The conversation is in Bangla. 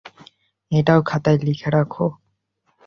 এটাও খাতায় লিখে রাখ।